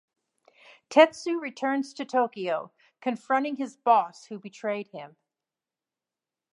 Tetsu returns to Tokyo, confronting his boss who betrayed him.